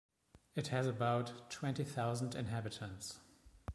It has about twenty thousand inhabitants.